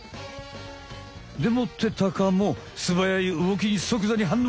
でもってタカもすばやい動きにそくざに反応！